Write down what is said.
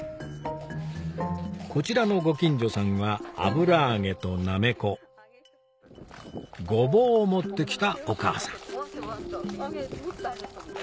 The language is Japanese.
こちらのご近所さんは油揚げとなめこゴボウを持って来たお母さん